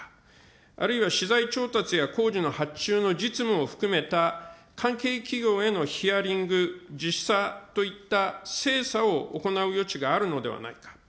あるいは資材調達や工事の発注の実務を含めた関係企業へのヒヤリング、実査といった精査を行う余地があるのではないか。